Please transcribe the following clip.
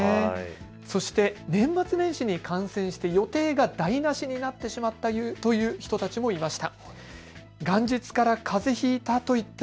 そして年末年始に感染して予定が台なしになってしまったという人たちもいました。